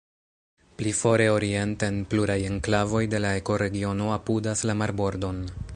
Pli fore orienten, pluraj enklavoj de la ekoregiono apudas la marbordon.